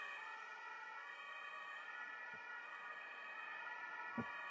ژوند انسان ته دا ور زده کوي چي قناعت ستر نعمت دی.